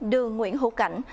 đường nguyễn hữu cảnh